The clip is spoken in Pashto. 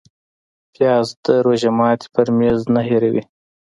پیاز د روژه ماتي پر میز نه هېروې